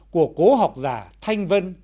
của cố học giả thanh vân